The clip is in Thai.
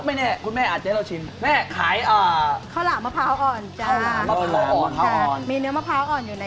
ไม่แน่คุณแม่อาจจะเล่าชิมแม่ขายข้าวหลามมะพร้าวอ่อนจ้า